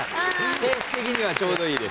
ペース的にはちょうどいい。